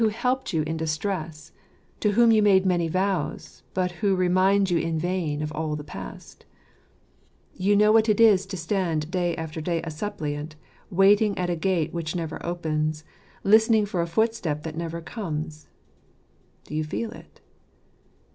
helped you in distress, to whom you made many vows, but who reminds you in vain of all the past You know what it is to stand day after day a suppliant, waiting at a gate which never opens, listening for a footstep that never comes. Do you feel it?